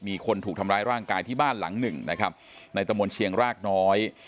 มีคนถูกทำร้ายร่างกายที่บ้านหลังหนึ่งนะครับในตะมนต์เชียงรากน้อย